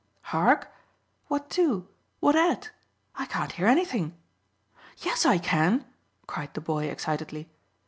"Hark? What to what at? I can't hear anything. Yes, I can," cried the boy excitedly.